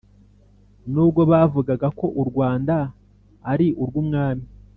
n'ubwo bavugaga ko u rwanda ari urw'umwami